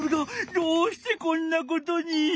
どうしてこんなことに！